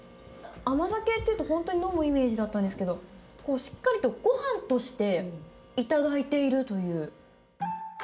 甘酒っていうと、本当に飲むイメージだったんですけど、しっかりとごはんとして頂いているという。